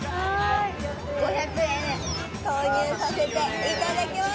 ５００円投入させていただきます。